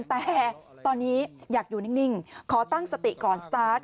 แต่ตอนนี้อยากอยู่นิ่งขอตั้งสติก่อนสตาร์ท